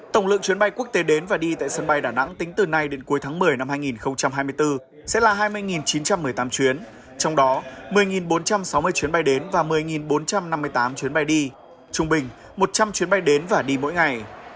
tổng lượng chuyến bay quốc tế đến và đi tại sân bay đà nẵng tính từ nay đến cuối tháng một mươi năm hai nghìn hai mươi bốn sẽ là hai mươi chín trăm một mươi tám chuyến trong đó một mươi bốn trăm sáu mươi chuyến bay đến và một mươi bốn trăm năm mươi tám chuyến bay đi trung bình một trăm linh chuyến bay đến và đi mỗi ngày